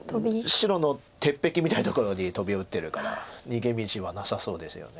白の鉄壁みたいなところにトビを打ってるから逃げ道はなさそうですよね。